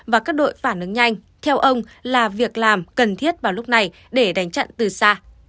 và các đội phản ứng nhanh theo ông là việc làm cần thiết vào lúc này để đánh chặn từ xa